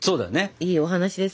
いいお話です。